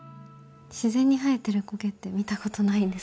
自然に生えてる苔って見たことないんですけど。